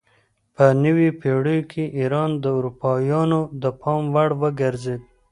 په نویو پیړیو کې ایران د اروپایانو د پام وړ وګرځید.